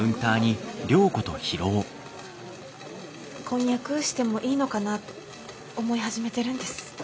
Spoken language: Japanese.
婚約してもいいのかなと思い始めてるんです。